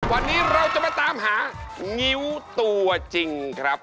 วันนี้เราจะมาตามหางิ้วตัวจริงครับ